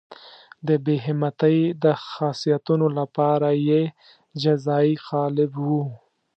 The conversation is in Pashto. د بې همتۍ د خاصیتونو لپاره یې جزایي قالب وو.